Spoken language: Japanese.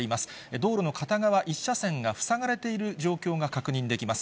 道路の片側１車線が塞がれている状況が確認できます。